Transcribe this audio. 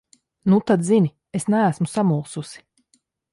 Nu tad zini: es neesmu samulsusi.